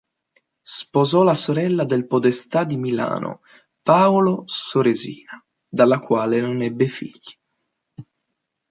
Sposò la sorella del podestà di Milano Paolo Soresina, dalla quale non ebbe figli.